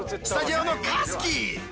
スタジオのカズキ！